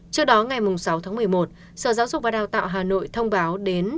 trước đó ngày sáu tháng một mươi một sở giáo dục và đào tạo hà nội thông báo đến